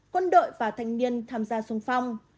quân đội và thanh niên tham gia sung phong